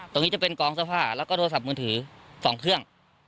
ตรงนี้จะเป็นกองเสื้อผ้าแล้วก็โทรศัพท์มือถือ๒เครื่อง